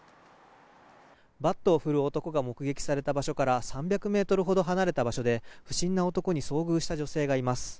バットを振る男が目撃された場所から３００ｍほど離れた場所で不審な男に遭遇した女性がいます。